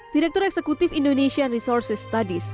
direktur eksekutif indonesian resources